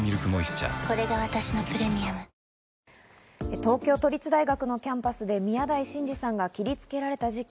東京都立大学のキャンパスで宮台真司さんが切りつけられた事件。